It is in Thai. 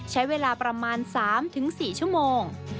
ใช้เวลาประมาณ๓๔ชั่วโมง